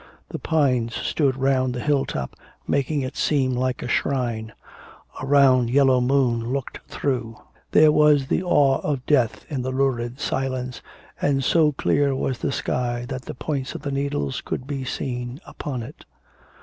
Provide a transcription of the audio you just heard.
The pines stood round the hill top making it seem like a shrine; a round yellow moon looked through; there was the awe of death in the lurid silence, and so clear was the sky that the points of the needles could be seen upon it.